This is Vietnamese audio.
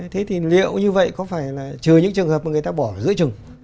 thế thì liệu như vậy có phải là trừ những trường hợp mà người ta bỏ ở giữa trường